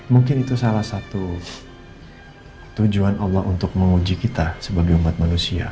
mungkin itu salah satu tujuan allah untuk menguji kita sebagai umat manusia